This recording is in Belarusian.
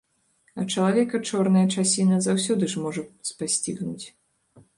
А чалавека чорная часіна заўсёды ж можа спасцігнуць.